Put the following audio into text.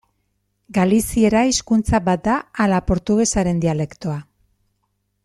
Galiziera hizkuntza bat da ala portugesaren dialektoa?